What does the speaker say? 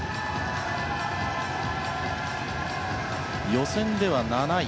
予選では７位。